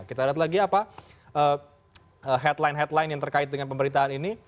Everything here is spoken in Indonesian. kita lihat lagi apa headline headline yang terkait dengan pemberitaan ini